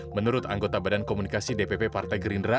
menurut anggota badan komunikasi dpp partai gerindra